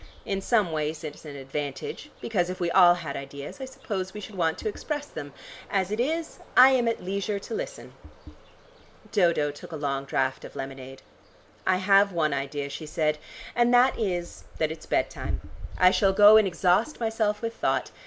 In some ways it's an advantage, because if we all had ideas, I suppose we should want to express them. As it is I am at leisure to listen." Dodo took a long draught of lemonade. "I have one idea," she said, "and that is that it's bed time. I shall go and exhaust myself with thought.